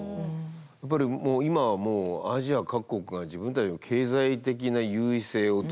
やっぱり今はもうアジア各国が自分たちの経済的な優位性をどう取ってくかっていうこと。